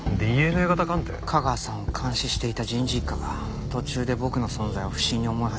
架川さんを監視していた人事一課が途中で僕の存在を不審に思い始めた。